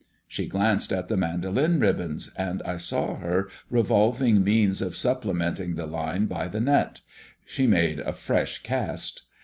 She glanced at the mandolin ribbons, and I saw her revolving means of supplementing the line by the net. She made a fresh cast.